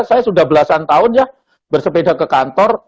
saya sudah belasan tahun ya bersepeda ke kantor